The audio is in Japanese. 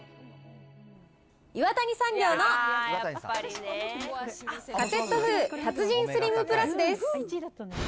岩谷産業のカセットフー達人スリムプラスです。